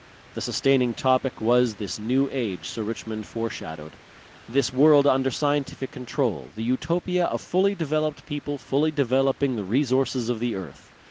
The sustaining topic was this New Age Sir Richmond fore shadowed, this world under scientific control, the Utopia of fully developed people fully developing the resources of the earth.